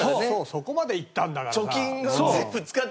そこまで行ったんだからさ。